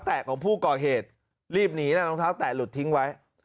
ของผู้ก่อเหตุรีบหนีนะรองเท้าแตะหลุดทิ้งไว้